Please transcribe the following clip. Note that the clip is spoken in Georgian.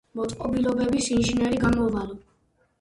მოწყობილობების ინჟინერი გამოვალო.